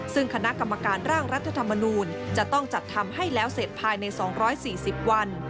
ซึ่งคณะกรรมการร่างรัฐธรรมนูลจะต้องจัดทำให้แล้วเสร็จภายใน๒๔๐วัน